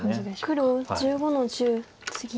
黒１５の十ツギ。